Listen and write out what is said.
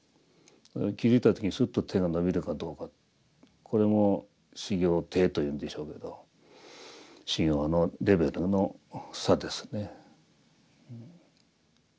気付いた時にスッと手が伸びるかどうかこれも修行底と言うんでしょうけど修行のレベルの差ですね。